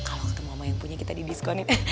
kalau ketemu sama yang punya kita di diskonin